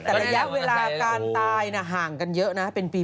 แต่ระยะเวลาการตายห่างกันเยอะนะเป็นปี